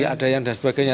ada yang dan sebagainya